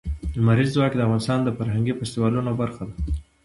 لمریز ځواک د افغانستان د فرهنګي فستیوالونو برخه ده.